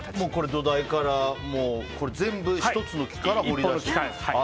土台から全部１つの木から彫り出して？